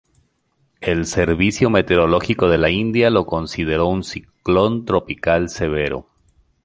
El servicio meteorológico de la India lo consideró un ciclón tropical severo.